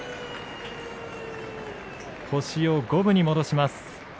星を五分に戻します。